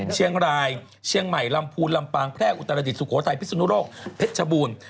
เชียงรายเชียงใหม่ลำพูนลำปางแพร่อุตรดิษสุโขทัยพิสุนุโลกเพชรชบูรณ์